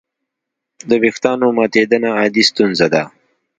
د وېښتیانو ماتېدنه عادي ستونزه ده.